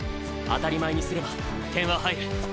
当たり前にすれば点は入る。